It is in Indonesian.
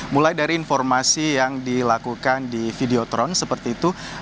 mulai dari informasi yang dilakukan di videotron seperti itu